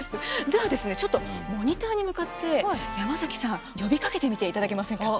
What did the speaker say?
ではですねちょっとモニターに向かって山崎さん呼びかけてみていただけませんか。